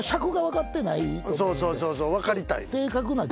そうそうそうそう分かりたい。